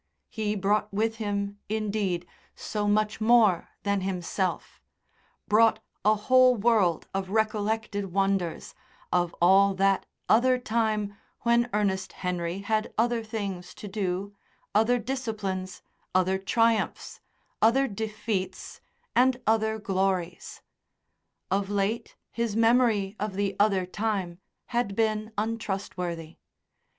He brought with him, indeed, so much more than himself brought a whole world of recollected wonders, of all that other time when Ernest Henry had other things to do, other disciplines, other triumphs, other defeats, and other glories. Of late his memory of the other time had been untrustworthy.